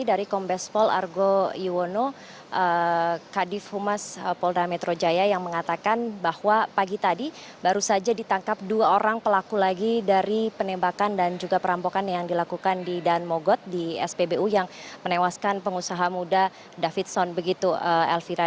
dari kombes pol argo yuwono kadif humas polda metro jaya yang mengatakan bahwa pagi tadi baru saja ditangkap dua orang pelaku lagi dari penembakan dan juga perampokan yang dilakukan di dan mogot di spbu yang menewaskan pengusaha muda davidson begitu elvira